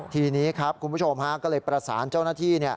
ทีนี้ครับคุณผู้ชมก็เลยประสานเจ้าหน้าที่